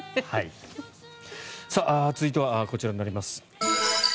続いては、こちらになります。